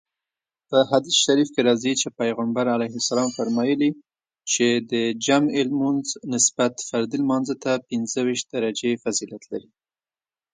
په حديث شريف کې راځي چې پيغمبر عليه السلام فرمايلي دي چې د جمعې لمانځه نسبت فردي لمانځه ته پنځه ويشت درجې فضيلت لري.